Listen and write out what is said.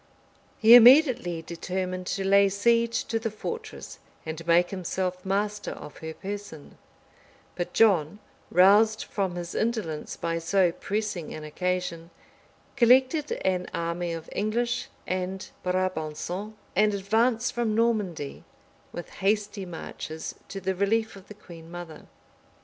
He immediately determined to lay siege to the fortress, and make himself master of her person; but John, roused from his indolence by so pressing an occasion, collected an army of English and Brabançons, and advanced from Normandy with hasty marches to the relief of the queen mother.